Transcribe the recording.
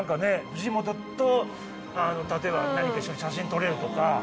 フジモトと例えば何か一緒に写真撮れるとか。